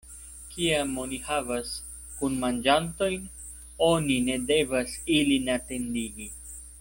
Kiam oni havas kunmanĝantojn, oni ne devas ilin atendigi.